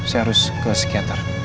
saya harus ke psikiater